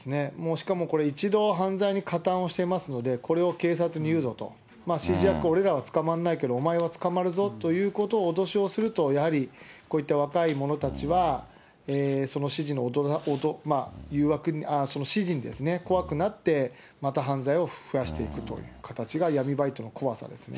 しかもこれ、一度犯罪に加担をしていますので、これを警察に言うぞと、指示役、俺らは捕まんないけどお前は捕まるぞということを脅しをすると、やはり、こういった若い者たちは、その指示の、その指示に怖くなって、また犯罪を増やしていくという形が闇バイトの怖さですね。